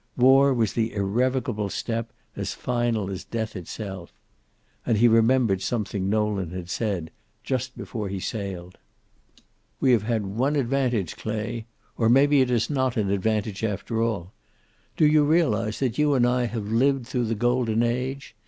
War was the irrevocable step, as final as death itself. And he remembered something Nolan had said, just before he sailed. "We have had one advantage, Clay. Or maybe it is not an advantage, after all. Do you realize that you and I have lived through the Golden Age?